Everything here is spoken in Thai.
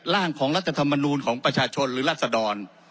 ร่างของรัฐธรรมนูลของประชาชนหรือรัศดร